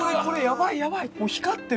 やばいやばい！